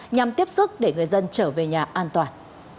nhằm tiếp sức để người dân trở về nhà an toàn